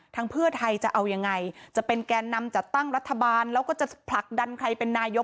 เพื่อไทยจะเอายังไงจะเป็นแกนนำจัดตั้งรัฐบาลแล้วก็จะผลักดันใครเป็นนายก